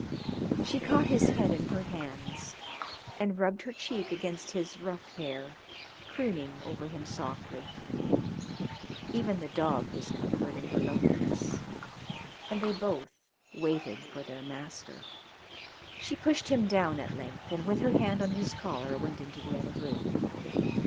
She caught his head in her hands and rubbed her cheek against his rough hair, crooning over him softly. Even the dog was comfort in her loneliness, and they both waited for their master. She pushed him down at length, and with her hand on his collar went into the other room.